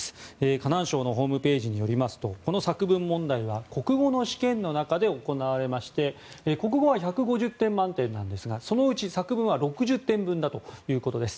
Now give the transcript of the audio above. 河南省のホームページによりますと、この作文問題は国語の試験の中で行われまして国語は１５０点満点なんですがそのうち作文は６０点分だということです。